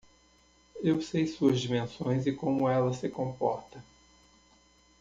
Eu sei suas dimensões e como ela se comporta.